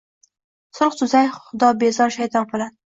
Sulh tuzay xudobezor shayton bilan.